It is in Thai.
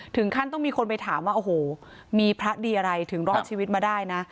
ถึงขั้นต้องมีคนไปถามว่าโอ้โหมีพระดีอะไรถึงรอดชีวิตมาได้นะ